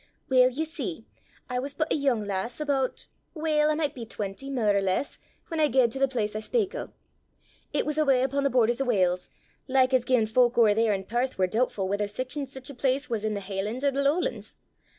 Weel, ye see, I was but a yoong lass, aboot weel, I micht be twenty, mair or less whan I gaed til the place I speak o'. It was awa' upo' the borders o' Wales, like as gien folk ower there i' Perth war doobtfu' whether sic or sic a place was i' the hielan's or the lowlan's.